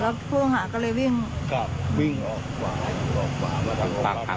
แล้วผู้ต้องหาก็เลยวิ่งวิ่งออกกว่าออกกว่ามาทางโรงพักษณ์